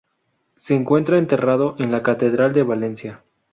Se encuentra enterrado en la catedral de Valencia.